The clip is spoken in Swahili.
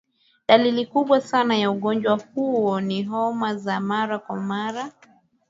dalili kubwa sana ya ugonjwa huo ni homa za mara kwa mara